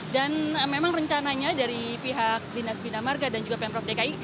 dan memang rencananya dari pihak dinas bidamarga dan juga pemprov dki